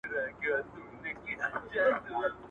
زه به د کتابتون کتابونه لوستي وي!!